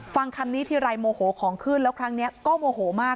ฟังคำนี้ทีไรโมโหของขึ้นแล้วครั้งนี้ก็โมโหมาก